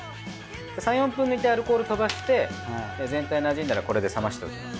３４分煮てアルコール飛ばして全体なじんだらこれで冷ましておきます。